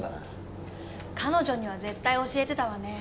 彼女には絶対教えてたわね。